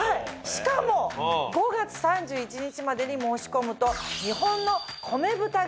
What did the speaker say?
しかも５月３１日までに申し込むと。